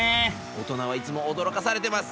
大人はいつもおどろかされてます。